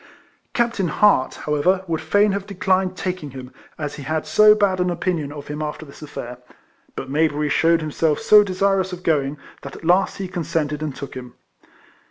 Captain Hart, however, would fain have declined taking him, as he had so bad an opinion of him after this aiFair; but Mayberry shewed himself so desirous of going, that at last he consented, and took him.